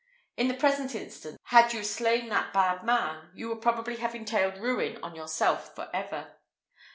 In the present instance, had you slain that bad man, you would probably have entailed ruin on yourself for ever.